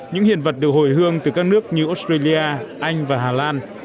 những hiện vật được hồi hương từ các nước như australia anh và hà lan